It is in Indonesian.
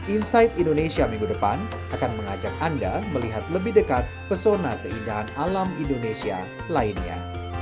insight indonesia minggu depan akan mengajak anda melihat lebih dekat pesona keindahan alam indonesia lainnya